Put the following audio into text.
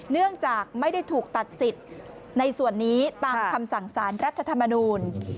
เนื่องจากไม่ได้ถูกตัดสิทธิ์ในส่วนนี้ตามคำสั่งสารรัฐธรรมนูล